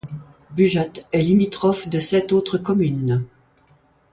Bugeat est limitrophe de sept autres communes.